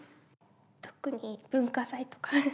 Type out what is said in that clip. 特に文化祭とか。